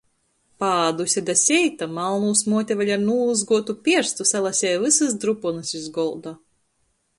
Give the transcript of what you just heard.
Paāduse da seita, Malnūs muote vēļ ar nūlyzguotu pierstu salaseja vysys druponys iz golda.